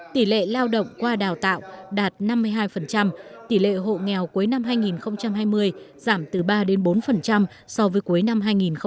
tỷ lệ lao động qua đào tạo đạt năm mươi hai tỷ lệ hộ nghèo cuối năm hai nghìn hai mươi giảm từ ba bốn so với cuối năm hai nghìn một mươi chín